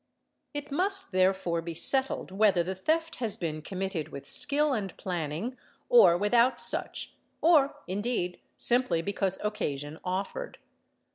It must therefore be settled whether the theft has been committed with skill and planning, or without such, or indeed simply because occasion offered.